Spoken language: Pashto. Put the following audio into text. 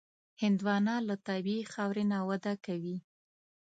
هندوانه له طبیعي خاورې نه وده کوي.